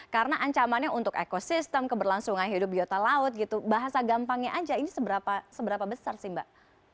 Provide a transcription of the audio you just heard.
karena ancamannya untuk ekosistem keberlangsungan hidup biota laut gitu bahasa gampangnya aja ini seberapa besar sih mbak